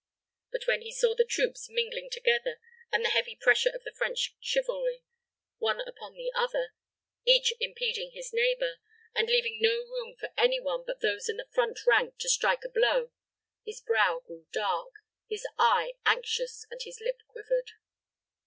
But when he saw the troops mingling together, and the heavy pressure of the French chivalry one upon the other, each impeding his neighbor, and leaving no room for any one but those in the front rank to strike a blow, his brow grew dark, his eye anxious, and his lip quivered.